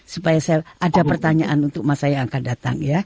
supaya saya ada pertanyaan untuk masa yang akan datang